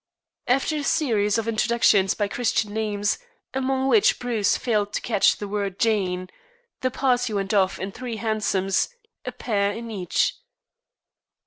After a series of introductions by Christian names, among which Bruce failed to catch the word "Jane," the party went off in three hansoms, a pair in each.